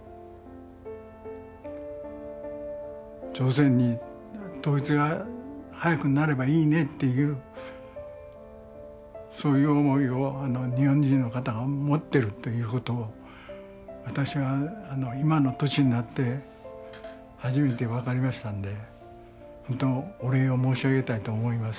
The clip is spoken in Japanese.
朝鮮に統一が早くなればいいねっていうそういう思いを日本人の方が持ってるということを私は今の年になって初めて分かりましたんで本当お礼を申し上げたいと思います。